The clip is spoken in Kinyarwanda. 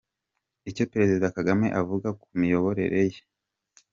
Icyo perezida Kagame avuga ku miyoborere ye.